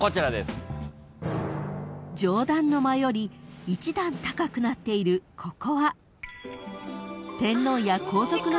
［上段の間より一段高くなっているここは］